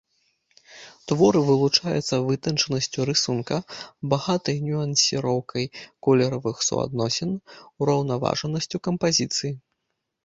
Творы вылучаюцца вытанчанасцю рысунка, багатай нюансіроўкай колеравых суадносін, ураўнаважанасцю кампазіцыі.